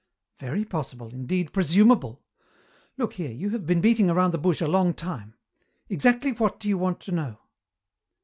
"Very possible, indeed presumable. Look here, you have been beating around the bush a long time. Exactly what do you want to know?"